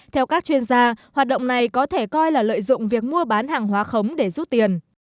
theo các chuyên gia hoạt động này có thể coi là lợi dụng việc mua bán hàng hóa khống để rút tiền